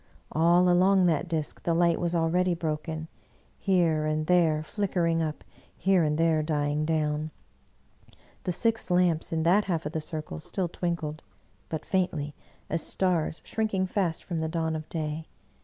All along that disk the light was already broken, here and there flickering up, here and there dying down; the six lamps in that half of the circle still twinkled, but faintly, as stars shrinking fast from the dawn of day.